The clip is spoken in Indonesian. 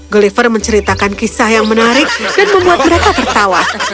gulliver menceritakan kisah yang menarik dan membuat mereka tertawa